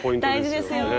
大事ですよ。